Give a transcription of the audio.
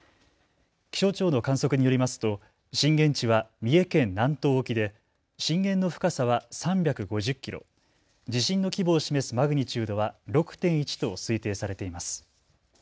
気象庁の観測によりますと震源地は三重県南東沖で震源の深さは３５０キロ、地震の規模を示すマグニチュードは６．１と推定されています。